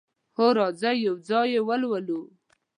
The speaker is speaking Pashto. هو، راځئ یو ځای یی لولو